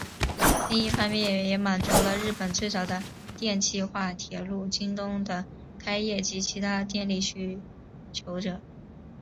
另一方面也满足了日本最早的电气化铁路京电的开业及其他电力需求者。